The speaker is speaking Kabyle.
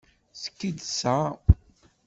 Tettkid tesεa.